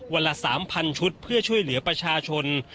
ละ๓๐๐ชุดเพื่อช่วยเหลือประชาชน